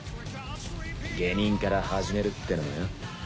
下忍から始めるってのもよ。